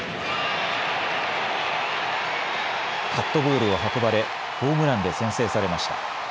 カットボールを運ばれホームランで先制されました。